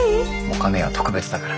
姉は特別だから。